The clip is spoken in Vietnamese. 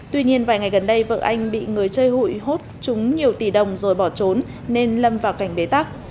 tuy nhiên vài ngày gần đây vợ anh bị người chơi hụi hốt chúng nhiều tỷ đồng rồi bỏ trốn nên lâm vào cảnh bế tắc